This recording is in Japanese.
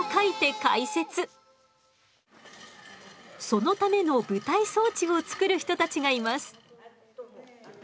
そのための舞台装置を作る人たちがいます。